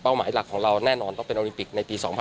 หมายหลักของเราแน่นอนต้องเป็นโอลิมปิกในปี๒๐๑๖